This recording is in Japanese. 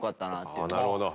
なるほど。